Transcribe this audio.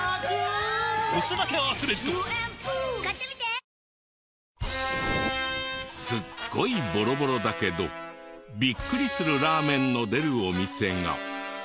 「ソフランウルトラゼロ」すっごいボロボロだけどビックリするラーメンの出るお店が。